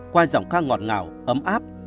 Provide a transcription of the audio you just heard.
qua giọng ca ngọt ngào ấm áp